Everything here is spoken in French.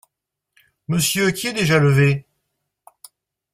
Monsieur qui est déjà levé !